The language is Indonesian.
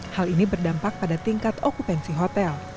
hal ini berdampak pada tingkat okupansi hotel